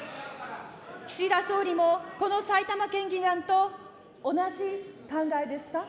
岸田総理もこの埼玉県議団と同じ考えですか。